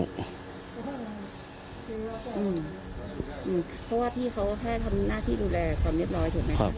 เพราะว่าพี่เขาแค่ทำหน้าที่ดูแลความเรียบร้อยถูกไหม